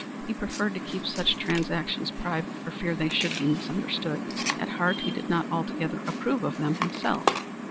He preferred to keep such transactions private for fear they should be misunderstood. At heart he did not altogether approve of them himself.